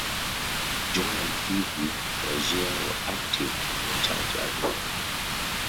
John and Phoebe Brashear were active in their church as well.